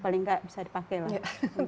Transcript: paling nggak bisa dipakai lah